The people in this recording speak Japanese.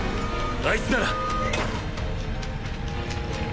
あいつなら！